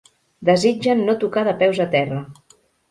Desitgen no tocar de peus a terra.